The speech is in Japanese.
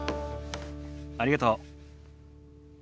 ありがとう。